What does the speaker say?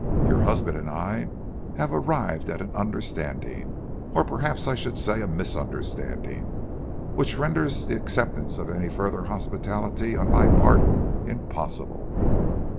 Your husband and I have arrived at an understanding or perhaps I should say a misunderstanding which renders the acceptance of any further hospitality on my part impossible."